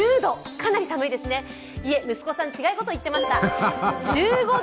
かなり寒いですね、息子さん、違うことを言ってました。